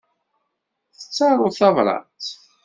Tettaruḍ tabrat?